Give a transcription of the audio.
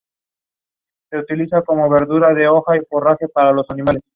Anteriormente aparecería como "Villafranca".